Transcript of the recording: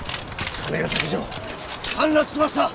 金ヶ崎城陥落しました！